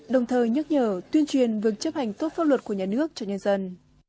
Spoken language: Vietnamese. đồng thời nhắc nhở tuyên truyền việc chấp hành tốt pháp luật của nhà nước cho nhân dân